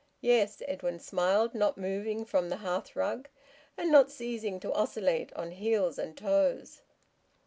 "Yes," Edwin smiled, not moving from the hearthrug, and not ceasing to oscillate on heels and toes.